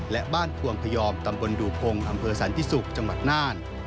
และบ้านพวงพยอมตำบลดูพงศ์อำเภอสันติศุกร์จังหวัดน่าน